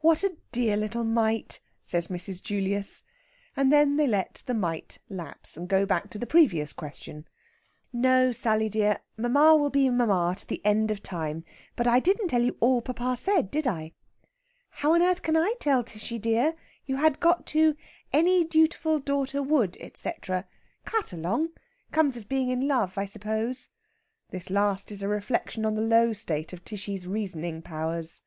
"What a dear little mite!" says Mrs. Julius; and then they let the mite lapse, and go back to the previous question. "No, Sally dear, mamma will be mamma to the end of the time. But I didn't tell you all papa said, did I?" "How on earth can I tell, Tishy dear? You had got to 'any dutiful daughter would,' etcetera. Cut along! Comes of being in love, I suppose." This last is a reflection on the low state of Tishy's reasoning powers.